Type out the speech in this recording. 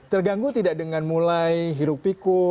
terganggu tidak dengan mulai hirup piku